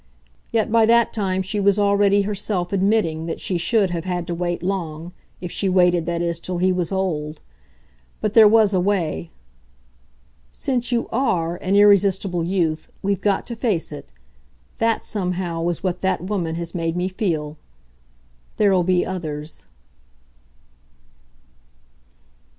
Yet by that time she was already herself admitting that she should have had to wait long if she waited, that is, till he was old. But there was a way. "Since you ARE an irresistible youth, we've got to face it. That, somehow, is what that woman has made me feel. There'll be others."